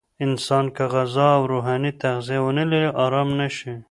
انسان که غذا او روحاني تغذیه ونلري، آرام نه شي.